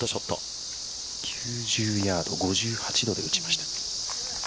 ９０ヤード５８度で打ちました。